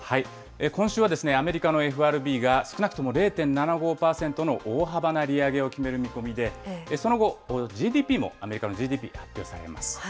今週はアメリカのＦＲＢが、少なくとも０．７５％の大幅な利上げを決める見込みで、その後、ＧＤＰも、アメリカのＧＤＰ、発表されます。